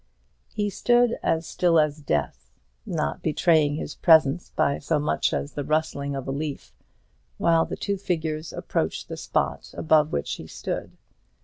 He stood as still as death, not betraying his presence by so much as the rustling of a leaf, while the two figures approached the spot above which he stood.